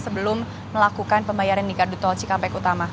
sebelum melakukan pembayaran di gardu tol cikampek utama